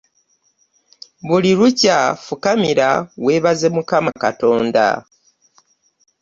Buli lukya fukamira weebaze mukama Katonda.